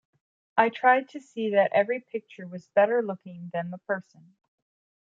I tried to see that every picture was better-looking than the person.